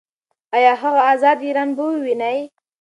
ایا هغه ازاد ایران به وویني؟